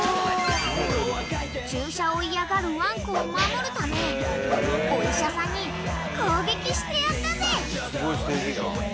［注射を嫌がるワンコを守るためお医者さんに攻撃してやったぜ！］